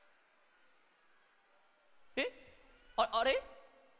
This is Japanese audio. えっ？あれ？